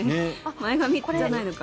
前髪じゃないのかな。